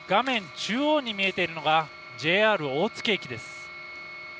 中央に見えているのがＪＲ大月駅です。